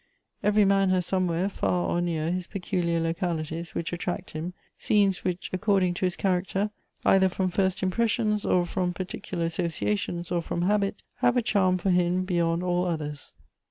Every man has somewhere, far or near, his pecul iar localities which attract him ; scenes which, according to his character, either from first impressions, or from particular associations, or from habit, have a charm for him beyond all others.